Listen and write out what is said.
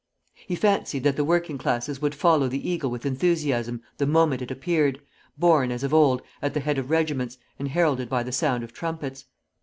He fancied that the working classes would follow the eagle with enthusiasm the moment it appeared, borne, as of old, at the head of regiments, and heralded by the sound of trumpets.